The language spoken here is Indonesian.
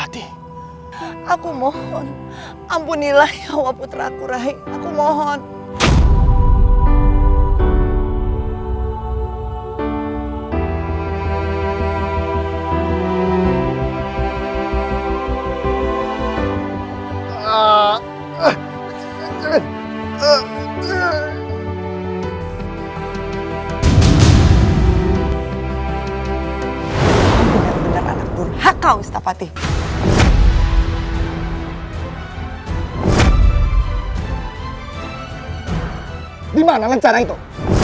kekuatan suara suling itu